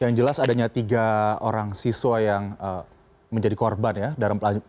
yang jelas adanya tiga orang siswa yang menjadi korban ya dalam pembelajaran jarak jauh